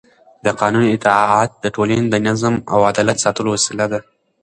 د قانون اطاعت د ټولنې د نظم او عدالت ساتلو وسیله ده